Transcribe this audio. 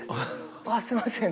「あっすいません」